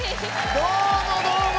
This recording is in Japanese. どうもどうも！